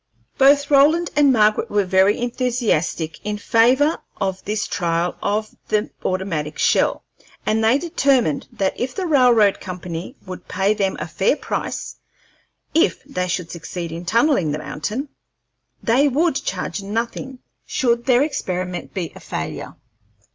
Both Roland and Margaret were very enthusiastic in favor of this trial of the automatic shell, and they determined that if the railroad company would pay them a fair price if they should succeed in tunnelling the mountain, they would charge nothing should their experiment be a failure.